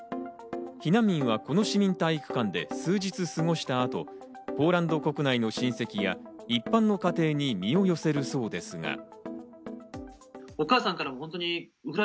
避難民は、この市民体育館で数日過ごした後、ポーランド国内の親戚や一般の家庭に身を寄せるそうですが。